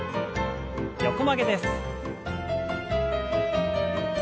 横曲げです。